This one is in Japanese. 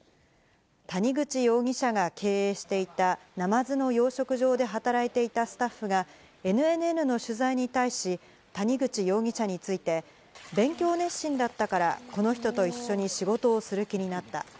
谷口容疑者が経営していたナマズの養殖場で働いていたスタッフが、ＮＮＮの取材に対し、谷口容疑者について、勉強熱心だったから、この人と一緒に仕事をする気になった。